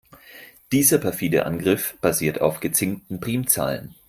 Dieser perfide Angriff basiert auf gezinkten Primzahlen.